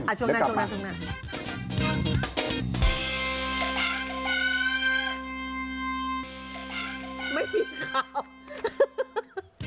ไม่มีเคราะห์